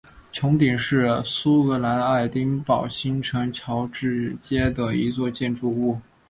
穹顶是苏格兰爱丁堡新城乔治街的一座建筑物。